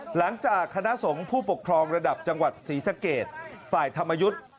หลังจากคณะสงฆ์ผู้ปกครองระดับจังหวัดศรีสะเกดฝ่ายธรรมยุทธ์